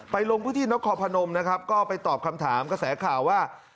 ไปลงพฤทธิ์นกคอพนมนะครับก็ไปตอบคำถามกระแสข่าวว่า